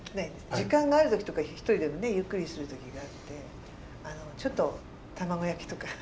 時間がある時とか１人でもねゆっくりする時があってちょっと玉子焼きとか。